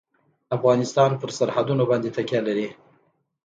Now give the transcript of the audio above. افغانستان په سرحدونه باندې تکیه لري.